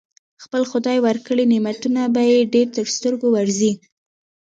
خپل خدای ورکړي نعمتونه به يې ډېر تر سترګو ورځي.